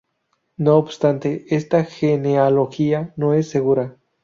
No obstante, esta genealogía no es segura.